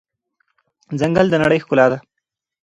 ځنګل د نړۍ ښکلا ده.